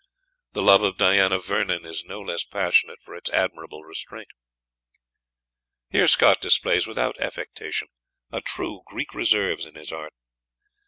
The love of Diana Vernon is no less passionate for its admirable restraint. Here Scott displays, without affectation, a truly Greek reserve in his art.